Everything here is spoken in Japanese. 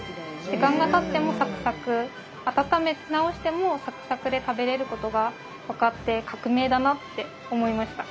時間がたってもサクサク温め直してもサクサクで食べれることが分かって革命だなって思いました。